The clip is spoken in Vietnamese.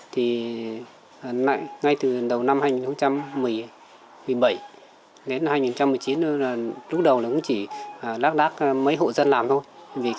thì ngay từ đầu năm hai nghìn một mươi bảy đến hai nghìn một mươi chín lúc đầu chỉ đác đác mấy hộ dân làm thôi